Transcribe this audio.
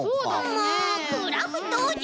もうクラフトおじさん！